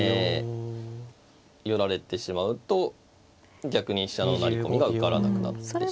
寄られてしまうと逆に飛車の成り込みが受からなくなってしまいますし。